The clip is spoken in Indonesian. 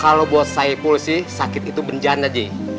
kalau buat saya pulsi sakit itu bencana ji